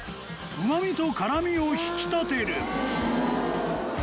うまみと辛味を引き立てる！